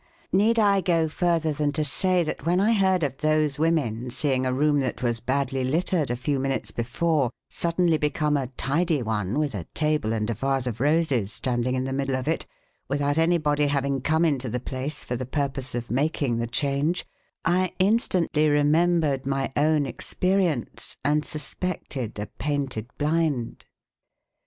"Need I go further than to say that when I heard of those women seeing a room that was badly littered a few minutes before suddenly become a tidy one with a table and a vase of roses standing in the middle of it, without anybody having come into the place for the purpose of making the change, I instantly remembered my own experience and suspected a painted blind?